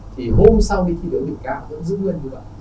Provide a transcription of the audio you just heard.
thì hôm sau đi thi đấu bình cảm vẫn giữ nguyên như vậy